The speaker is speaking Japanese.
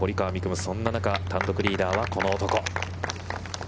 夢、そんな中、単独リーダーはこの男。